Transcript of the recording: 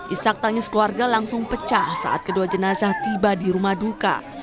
ishak tangis keluarga langsung pecah saat kedua jenazah tiba di rumah duka